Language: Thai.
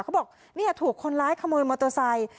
เขาบอกเนี่ยถูกคนร้ายขโมยมอเตอร์ไซค์